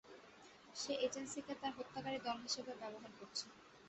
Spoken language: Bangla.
সে এজেন্সিকে তার হত্যাকারী দল হিসেবে ব্যবহার করছে।